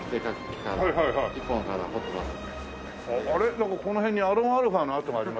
なんかこの辺にアロンアルフアの跡がありますけど。